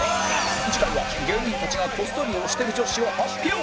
次回は芸人たちがこっそり推してる女子を発表